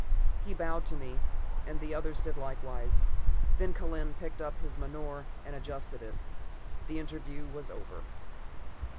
He bowed to me, and the others did likewise. Then Kellen picked up his menore and adjusted it. The interview was over.